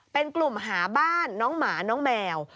เป็นกลุ่มหาบ้านน้องหมาน้องแมว